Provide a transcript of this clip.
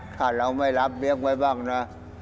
ถ้าเราไม่รับเลี้ยงไว้บ้างนะ